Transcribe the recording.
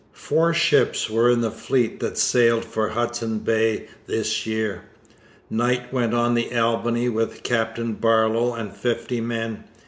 Four ships were in the fleet that sailed for Hudson Bay this year. Knight went on the Albany with Captain Barlow and fifty men.